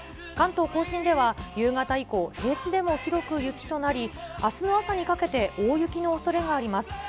関東甲信では、夕方以降、平地でも広く雪となり、あすの朝にかけて大雪のおそれがあります。